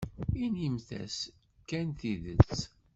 Inimt-as kan tidet.